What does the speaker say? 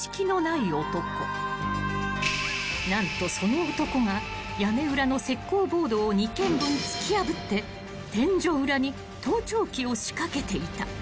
［何とその男が屋根裏の石こうボードを２軒分突き破って天井裏に盗聴器を仕掛けていた］